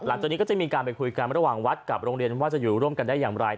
หลังจากนี้ก็จะมีการไปคุยกันระหว่างวัดกับโรงเรียนว่าจะอยู่ร่วมกันได้อย่างไร